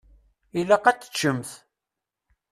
Ilaq ad teččemt.